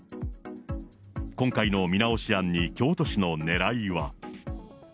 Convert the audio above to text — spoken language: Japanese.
今回の見直し案に、京都市のねらいは。